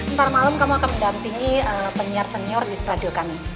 ntar malam kamu akan mendampingi penyiar senior di stadion kami